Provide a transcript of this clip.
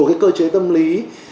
một cái cơ chế tâm lý